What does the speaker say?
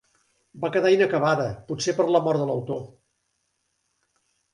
Va quedar inacabada, potser per la mort de l'autor.